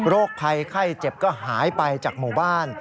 ภัยไข้เจ็บก็หายไปจากหมู่บ้าน